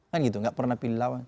kan gitu nggak pernah pilih lawan